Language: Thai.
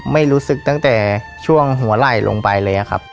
ไม่รู้สึกตั้งแต่ช่วงหัวไหล่ลงไปเลยครับ